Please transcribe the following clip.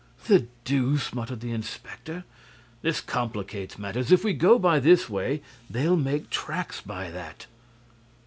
"The deuce!" muttered the inspector. "This complicates matters. If we go by this way, they'll make tracks by that."